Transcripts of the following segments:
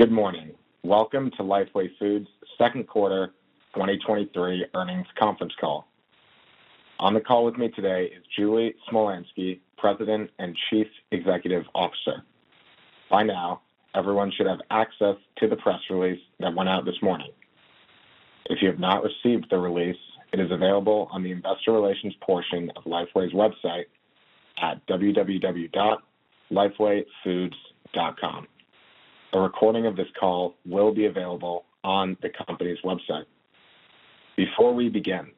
Good morning. Welcome to Lifeway Foods' second quarter 2023 earnings conference call. On the call with me today is Julie Smolyansky, President and Chief Executive Officer. By now, everyone should have access to the press release that went out this morning. If you have not received the release, it is available on the investor relations portion of Lifeway's website at www.lifewayfoods.com. A recording of this call will be available on the company's website. Before we begin,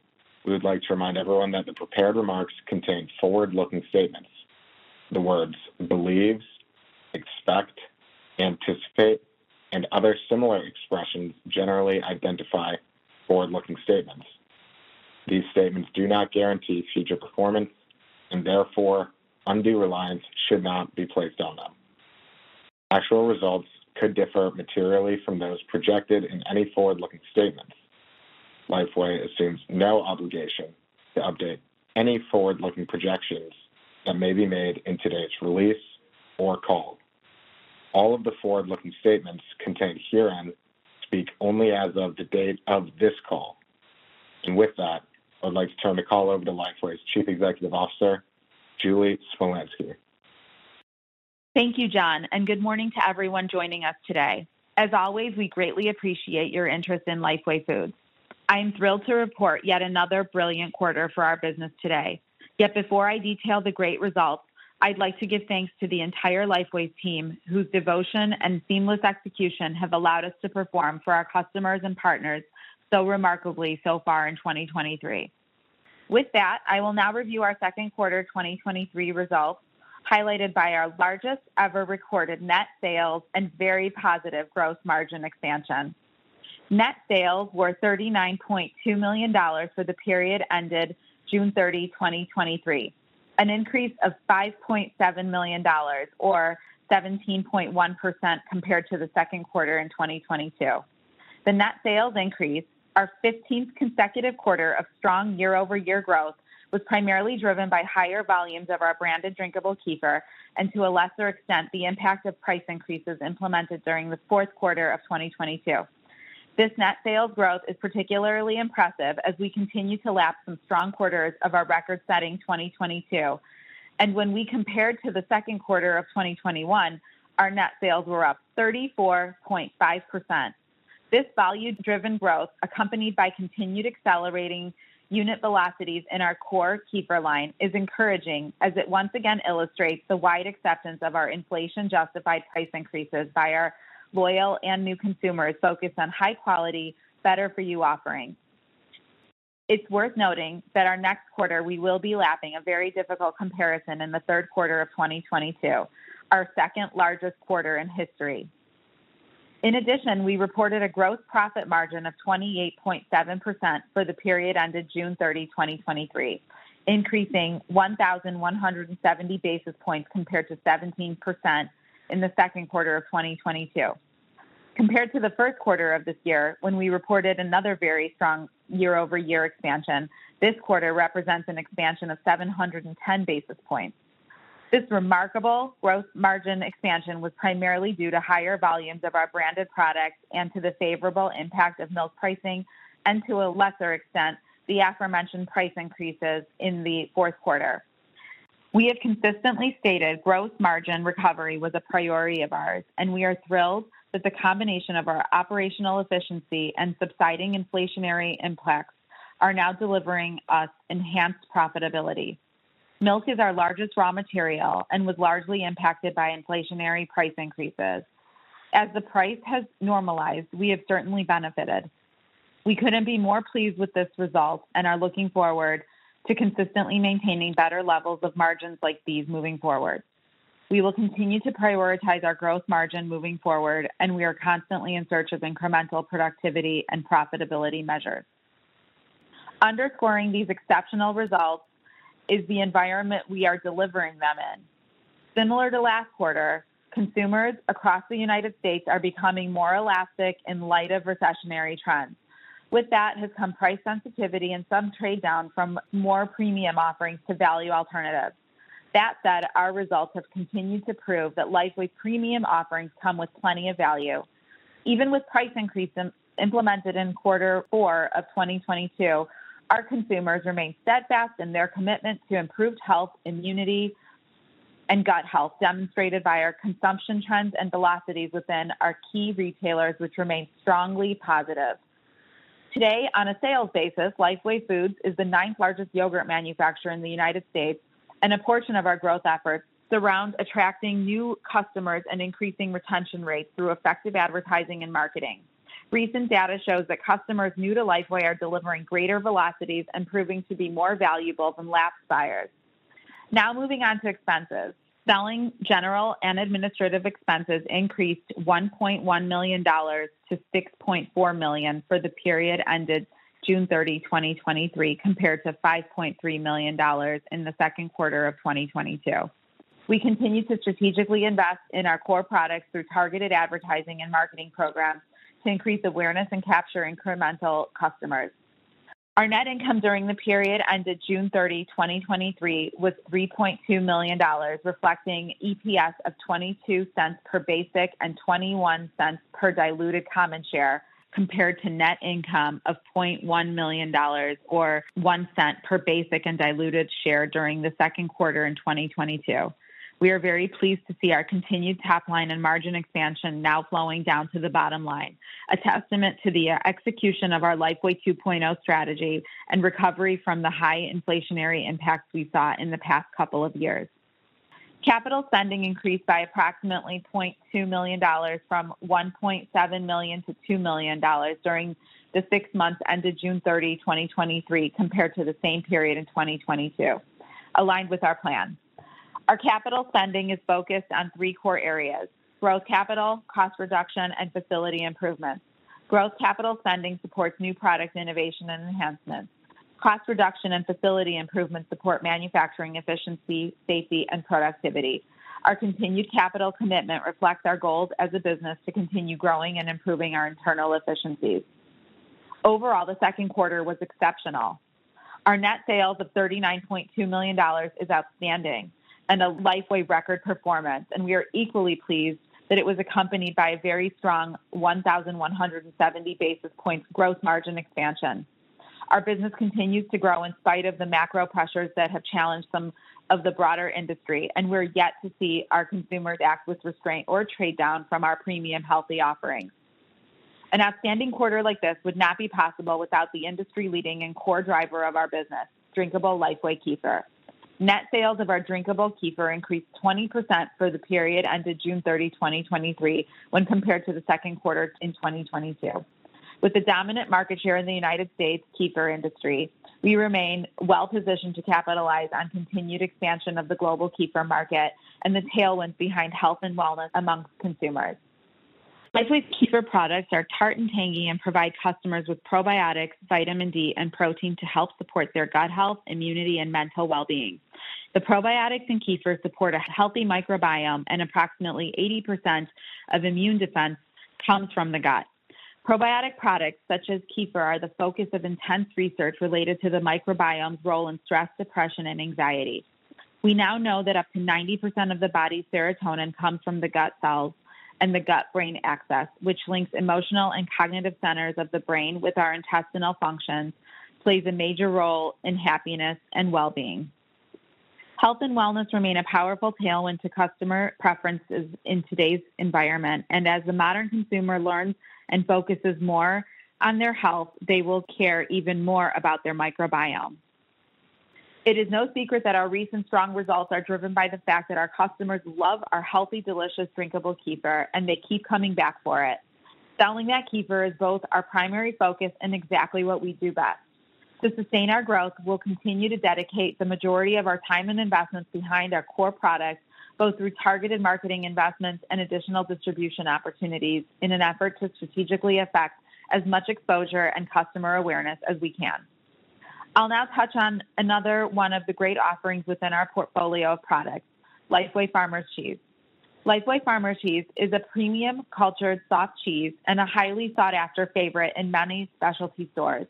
we would like to remind everyone that the prepared remarks contain forward-looking statements. The words believes, expect, anticipate, and other similar expressions generally identify forward-looking statements. These statements do not guarantee future performance, and therefore undue reliance should not be placed on them. Actual results could differ materially from those projected in any forward-looking statements. Lifeway assumes no obligation to update any forward-looking projections that may be made in today's release or call. All of the forward-looking statements contained herein speak only as of the date of this call. With that, I'd like to turn the call over to Lifeway's Chief Executive Officer, Julie Smolyansky. Thank you, John. Good morning to everyone joining us today. As always, we greatly appreciate your interest in Lifeway Foods. I am thrilled to report yet another brilliant quarter for our business today. Before I detail the great results, I'd like to give thanks to the entire Lifeway team, whose devotion and seamless execution have allowed us to perform for our customers and partners so remarkably so far in 2023. With that, I will now review our second quarter 2023 results, highlighted by our largest ever recorded net sales and very positive gross margin expansion. Net sales were $39.2 million for the period ended June 30, 2023, an increase of $5.7 million, or 17.1% compared to the second quarter in 2022. The net sales increase, our 15th consecutive quarter of strong year-over-year growth, was primarily driven by higher volumes of our branded drinkable kefir and, to a lesser extent, the impact of price increases implemented during the fourth quarter of 2022. This net sales growth is particularly impressive as we continue to lap some strong quarters of our record-setting 2022. When we compared to the second quarter of 2021, our net sales were up 34.5%. This value-driven growth, accompanied by continued accelerating unit velocities in our core kefir line, is encouraging as it once again illustrates the wide acceptance of our inflation-justified price increases by our loyal and new consumers focused on high quality, better for you offerings. It's worth noting that our next quarter, we will be lapping a very difficult comparison in the third quarter of 2022, our second-largest quarter in history. In addition, we reported a gross profit margin of 28.7% for the period ended June 30, 2023, increasing 1,170 basis points compared to 17% in the second quarter of 2022. Compared to the first quarter of this year, when we reported another very strong year-over-year expansion, this quarter represents an expansion of 710 basis points. This remarkable growth margin expansion was primarily due to higher volumes of our branded products and to the favorable impact of milk pricing and, to a lesser extent, the aforementioned price increases in the fourth quarter. We have consistently stated gross profit margin recovery was a priority of ours, and we are thrilled that the combination of our operational efficiency and subsiding inflationary impacts are now delivering us enhanced profitability. Milk is our largest raw material and was largely impacted by inflationary price increases. As the price has normalized, we have certainly benefited. We couldn't be more pleased with this result and are looking forward to consistently maintaining better levels of margins like these moving forward. We will continue to prioritize our gross profit margin moving forward, and we are constantly in search of incremental productivity and profitability measures. Underscoring these exceptional results is the environment we are delivering them in. Similar to last quarter, consumers across the United States are becoming more elastic in light of recessionary trends. With that has come price sensitivity and some trade-down from more premium offerings to value alternatives. That said, our results have continued to prove that Lifeway's premium offerings come with plenty of value. Even with price increases implemented in quarter four of 2022, our consumers remain steadfast in their commitment to improved health, immunity, and gut health, demonstrated by our consumption trends and velocities within our key retailers, which remain strongly positive. Today, on a sales basis, Lifeway Foods is the ninth-largest yogurt manufacturer in the United States, and a portion of our growth efforts surrounds attracting new customers and increasing retention rates through effective advertising and marketing. Recent data shows that customers new to Lifeway are delivering greater velocities and proving to be more valuable than lapsed buyers. Now, moving on to expenses. Selling, general, and administrative expenses increased $1.1 million to $6.4 million for the period ended June 30, 2023, compared to $5.3 million in the second quarter of 2022. We continue to strategically invest in our core products through targeted advertising and marketing programs to increase awareness and capture incremental customers. Our net income during the period ended June 30, 2023, was $3.2 million, reflecting EPS of $0.22 per basic and $0.21 per diluted common share, compared to net income of $0.1 million, or $0.01 per basic and diluted share during the second quarter in 2022. We are very pleased to see our continued top line and margin expansion now flowing down to the bottom line, a testament to the execution of our Lifeway 2.0 strategy and recovery from the high inflationary impacts we saw in the past couple of years. Capital spending increased by approximately $0.2 million from $1.7 million-$2 million during the six months ended June 30, 2023, compared to the same period in 2022, aligned with our plan. Our capital spending is focused on three core areas: growth capital, cost reduction, and facility improvements. Growth capital spending supports new product innovation and enhancements. Cost reduction and facility improvement support manufacturing efficiency, safety, and productivity. Our continued capital commitment reflects our goals as a business to continue growing and improving our internal efficiencies. Overall, the second quarter was exceptional. Our net sales of $39.2 million is outstanding and a Lifeway record performance. We are equally pleased that it was accompanied by a very strong 1,170 basis points growth margin expansion. Our business continues to grow in spite of the macro pressures that have challenged some of the broader industry, and we're yet to see our consumers act with restraint or trade down from our premium healthy offerings. An outstanding quarter like this would not be possible without the industry-leading and core driver of our business, drinkable Lifeway Kefir. Net sales of our drinkable kefir increased 20% for the period ended June 30, 2023, when compared to the second quarter in 2022. With the dominant market share in the United States kefir industry, we remain well positioned to capitalize on continued expansion of the global kefir market and the tailwinds behind health and wellness amongst consumers. Lifeway's kefir products are tart and tangy and provide customers with probiotics, vitamin D, and protein to help support their gut health, immunity, and mental well-being. The probiotics in kefir support a healthy microbiome, and approximately 80% of immune defense comes from the gut. Probiotic products such as kefir, are the focus of intense research related to the microbiome's role in stress, depression, and anxiety. We now know that up to 90% of the body's serotonin comes from the gut cells, and the gut-brain axis, which links emotional and cognitive centers of the brain with our intestinal functions, plays a major role in happiness and well-being. Health and wellness remain a powerful tailwind to customer preferences in today's environment, and as the modern consumer learns and focuses more on their health, they will care even more about their microbiome. It is no secret that our recent strong results are driven by the fact that our customers love our healthy, delicious drinkable kefir, and they keep coming back for it. Selling that kefir is both our primary focus and exactly what we do best. To sustain our growth, we'll continue to dedicate the majority of our time and investments behind our core products, both through targeted marketing investments and additional distribution opportunities, in an effort to strategically affect as much exposure and customer awareness as we can. I'll now touch on another one of the great offerings within our portfolio of products, Lifeway Farmer Cheese. Lifeway Farmer Cheese is a premium, cultured, soft cheese and a highly sought-after favorite in many specialty stores.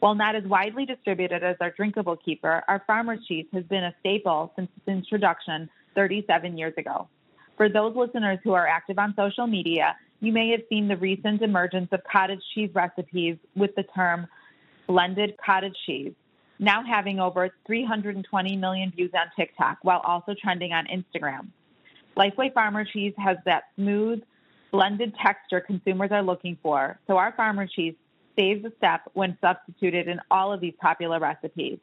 While not as widely distributed as our drinkable kefir, our farmer cheese has been a staple since its introduction 37 years ago. For those listeners who are active on social media, you may have seen the recent emergence of cottage cheese recipes with the term "blended cottage cheese," now having over 320 million views on TikTok, while also trending on Instagram. Lifeway Farmer Cheese has that smooth, blended texture consumers are looking for, so our farmer cheese saves a step when substituted in all of these popular recipes.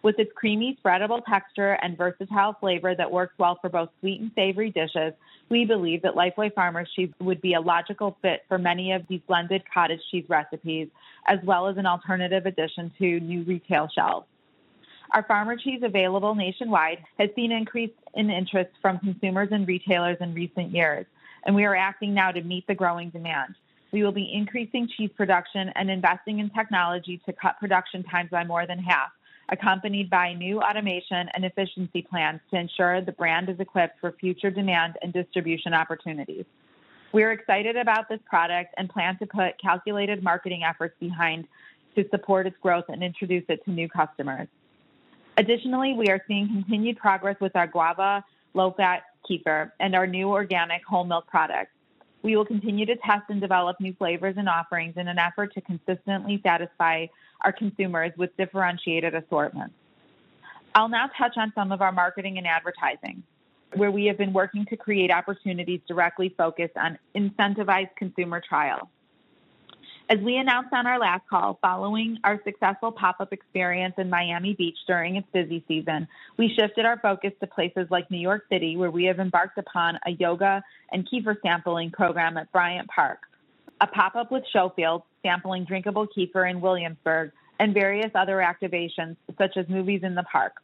With its creamy, spreadable texture and versatile flavor that works well for both sweet and savory dishes, we believe that Lifeway Farmer Cheese would be a logical fit for many of these blended cottage cheese recipes, as well as an alternative addition to new retail shelves. Our farmer cheese, available nationwide, has seen an increase in interest from consumers and retailers in recent years, and we are acting now to meet the growing demand. We will be increasing cheese production and investing in technology to cut production times by more than half, accompanied by new automation and efficiency plans to ensure the brand is equipped for future demand and distribution opportunities. We're excited about this product and plan to put calculated marketing efforts behind to support its growth and introduce it to new customers. Additionally, we are seeing continued progress with our guava low-fat kefir and our new Organic Whole Milk products. We will continue to test and develop new flavors and offerings in an effort to consistently satisfy our consumers with differentiated assortments. I'll now touch on some of our marketing and advertising, where we have been working to create opportunities directly focused on incentivized consumer trial. As we announced on our last call, following our successful pop-up experience in Miami Beach during its busy season, we shifted our focus to places like New York City, where we have embarked upon a yoga and kefir sampling program at Bryant Park, a pop-up with Showfields, sampling drinkable kefir in Williamsburg, and various other activations, such as Movies in the Park.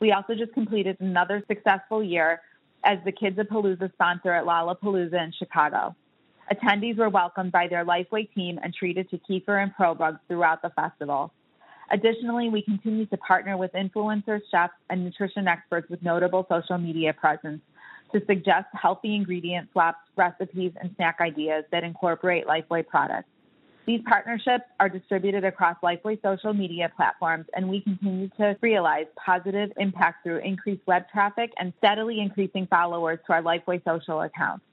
We also just completed another successful year as the Kidzapalooza sponsor at Lollapalooza in Chicago. Attendees were welcomed by their Lifeway team and treated to kefir and ProBugs throughout the festival. Additionally, we continued to partner with influencers, chefs, and nutrition experts with notable social media presence to suggest healthy ingredient swaps, recipes, and snack ideas that incorporate Lifeway products. These partnerships are distributed across Lifeway social media platforms, and we continue to realize positive impact through increased web traffic and steadily increasing followers to our Lifeway social accounts.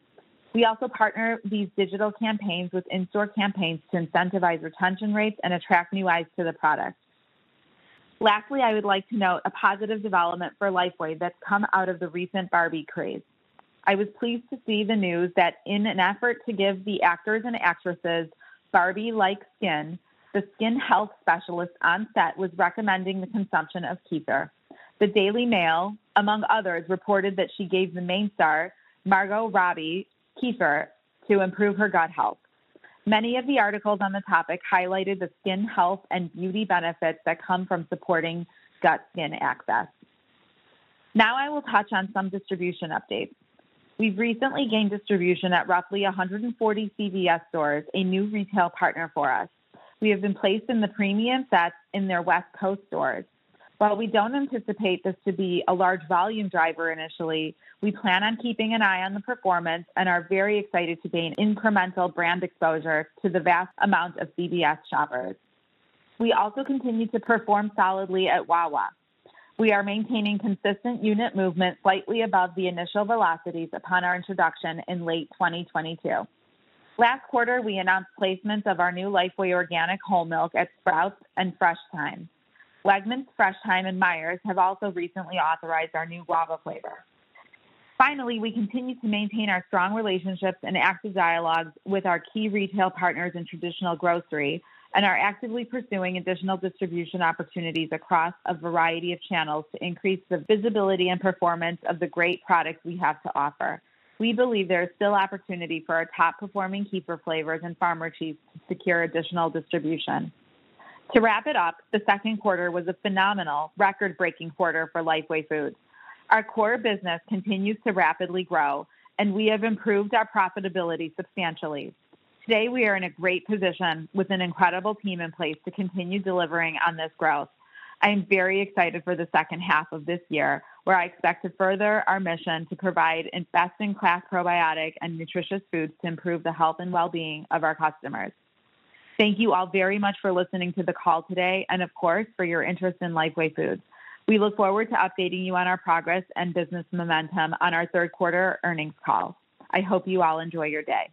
We also partner these digital campaigns with in-store campaigns to incentivize retention rates and attract new eyes to the products. Lastly, I would like to note a positive development for Lifeway that's come out of the recent Barbie craze. I was pleased to see the news that in an effort to give the actors and actresses Barbie-like skin, the skin health specialist on set was recommending the consumption of kefir. The Daily Mail, among others, reported that she gave the main star, Margot Robbie, kefir to improve her gut health. Many of the articles on the topic highlighted the skin health and beauty benefits that come from supporting gut-skin axis. Now I will touch on some distribution updates. We've recently gained distribution at roughly 140 CVS stores, a new retail partner for us. We have been placed in the premium sets in their West Coast stores. While we don't anticipate this to be a large volume driver initially, we plan on keeping an eye on the performance and are very excited to gain incremental brand exposure to the vast amount of CVS shoppers. We also continue to perform solidly at Wawa. We are maintaining consistent unit movement slightly above the initial velocities upon our introduction in late 2022. Last quarter, we announced placements of our new Lifeway Organic Whole Milk Kefir at Sprouts and Fresh Thyme. Wegmans, Fresh Thyme, and Meijer have also recently authorized our new Guava flavor. Finally, we continue to maintain our strong relationships and active dialogues with our key retail partners in traditional grocery, and are actively pursuing additional distribution opportunities across a variety of channels to increase the visibility and performance of the great products we have to offer. We believe there is still opportunity for our top-performing kefir flavors and Farmer Cheese to secure additional distribution. To wrap it up, the second quarter was a phenomenal, record-breaking quarter for Lifeway Foods. Our core business continues to rapidly grow, and we have improved our profitability substantially. Today, we are in a great position with an incredible team in place to continue delivering on this growth. I am very excited for the second half of this year, where I expect to further our mission to provide best-in-class probiotic and nutritious foods to improve the health and well-being of our customers. Thank you all very much for listening to the call today, and of course, for your interest in Lifeway Foods. We look forward to updating you on our progress and business momentum on our third quarter earnings call. I hope you all enjoy your day.